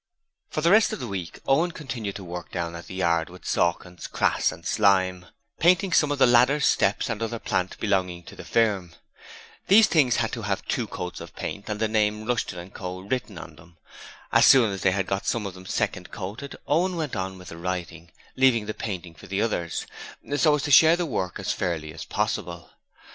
For the rest of the week, Owen continued to work down at the yard with Sawkins, Crass, and Slyme, painting some of the ladders, steps and other plant belonging to the firm. These things had to have two coats of paint and the name Rushton & Co. written on them. As soon as they had got some of them second coated, Owen went on with the writing, leaving the painting for the others, so as to share the work as fairly as possible.